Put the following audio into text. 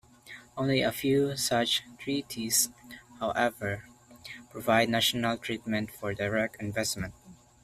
Only a few such treaties, however, provide national treatment for direct investment.